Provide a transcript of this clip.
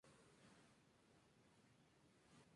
El estado actual de las investigaciones es aún insatisfactorio.